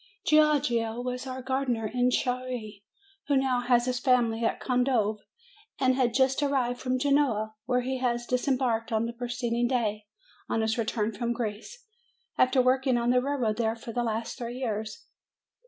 Giorgio was our gardener in Chieri, who now has his family at Condove, and had just arrived from Genoa, where he had disembarked on the preceding 300 MAY day, on his return from Greece, after working on the railway there for the last three years.